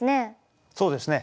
そうですね。